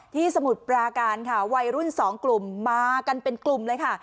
สมุทรปราการค่ะวัยรุ่นสองกลุ่มมากันเป็นกลุ่มเลยค่ะ